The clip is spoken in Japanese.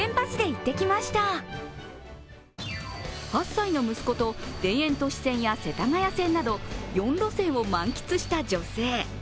８歳の息子と田園都市線や世田谷線など４路線を満喫した女性。